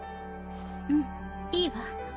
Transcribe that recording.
うんいいわ。